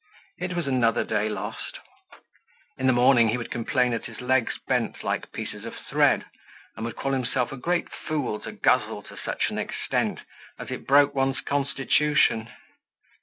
It was another day lost. In the morning he would complain that his legs bent like pieces of thread, and would call himself a great fool to guzzle to such an extent, as it broke one's constitution.